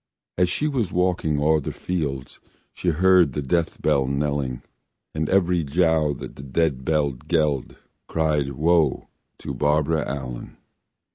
As she was walkin o'er the fields She heard the dead bell knellin', And every jow that the dead bell geid, Cried, "Woe to Barbara Allen!"